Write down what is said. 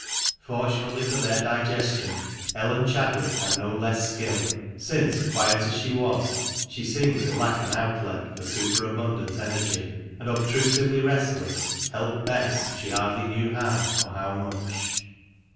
Fortunately for their digestion, Ellen Chadwick had no less skill, since, quiet as she was, she seemed to lack an outlet for superabundant energy, and, obtrusively restless, helped Bess she hardly knew how, or how much.